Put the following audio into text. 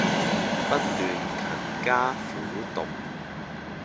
不斷勤加苦讀